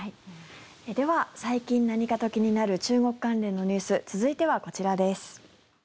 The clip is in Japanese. では、最近何かと気になる中国関連のニュース続いてはこちらです。